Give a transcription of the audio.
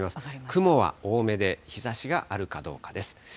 雲は多めで、日ざしがあるかどうかです。